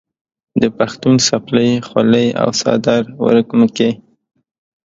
د پښتون څپلۍ، خولۍ او څادر ورک مه کې.